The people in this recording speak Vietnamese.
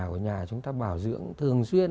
ở nhà chúng ta bảo dưỡng thường xuyên